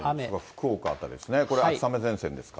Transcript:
福岡辺りですね、これ秋雨前線ですか。